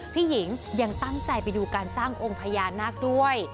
พี่หญิงยังตั้งใจไปดูการสร้างองค์พญานาคด้วย